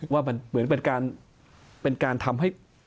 ว่ามันเหมือนเป็นการทำให้